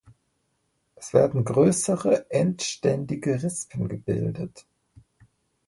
Es werden größere endständige Rispen gebildet.